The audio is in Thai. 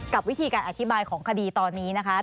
กับวิธีการอธิบายของคดีตอนนี้นะคะ